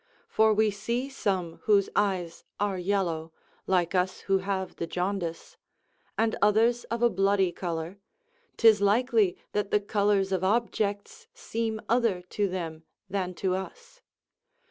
for we see some whose eyes are yellow, like us who have the jaundice; and others of a bloody colour; 'tis likely that the colours of objects seem other to them than to us.